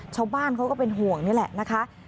ชาวบ้านเขาก็เป็นห่วงนี่แหละนะคะ